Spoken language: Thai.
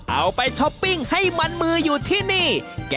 เอาไปช้อปปิ้งให้มันมืออยู่ที่นี่